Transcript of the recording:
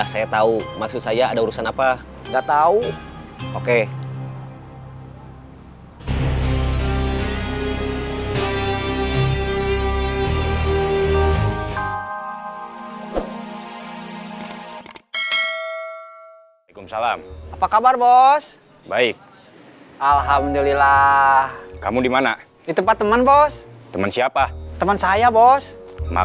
sampai jumpa di video selanjutnya